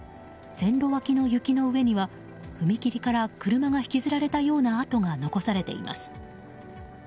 線路脇の雪の上には踏切から車が引きずられたような跡が残されています。